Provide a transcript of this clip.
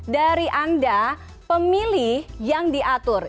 dari anda pemilih yang diatur